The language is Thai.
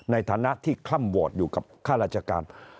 ในฐานะที่คล่ำวอร์ดอยู่กับข้าราชการ